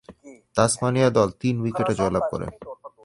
Tasmania দল তিন উইকেটে জয়লাভ করে।